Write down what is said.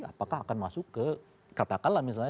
apakah akan masuk ke katakanlah misalnya